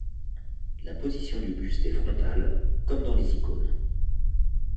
La position du buste est frontale comme dans les icônes.